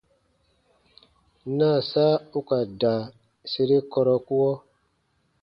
Naasa u ka da sere kɔrɔkuɔ.